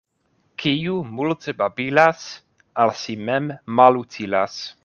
Kiu multe babilas, al si mem malutilas.